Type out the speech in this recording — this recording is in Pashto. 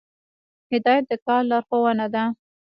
هدایت د کار لارښوونه ده